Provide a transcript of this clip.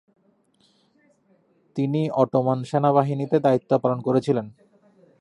তিনি অটোমান সেনাবাহিনীতে দায়িত্ব পালন করেছিলেন।